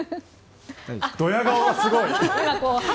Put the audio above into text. ドヤ顔がすごい。